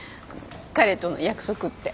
彼との約束って。